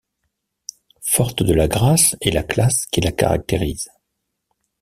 forte de la grâce et la classe qui la caractérisent.